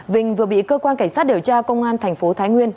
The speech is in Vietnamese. vinh vừa bị cơ quan cảnh sát điều tra công an thành phố thái nguyên